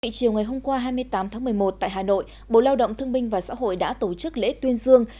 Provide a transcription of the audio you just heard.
chiều ngày hôm qua hai mươi tám tháng một mươi một tại hà nội bộ lao động thương binh và xã hội đã tổ chức lễ tuyên dương